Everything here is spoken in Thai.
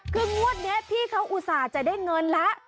คืองวดนี้พี่เขาอุตส่าห์จะได้เงินแล้ว